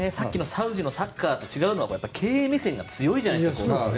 サウジのサッカーと違うのは経営目線が強いじゃないですか。